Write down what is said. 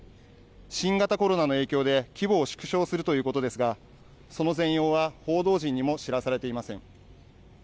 新型コロナの影響で規模を縮小するということですが、その全容は報道陣にも知らされていません。